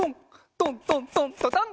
トントントントトン。